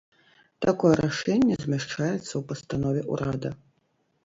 Такое рашэнне змяшчаецца ў пастанове ўрада.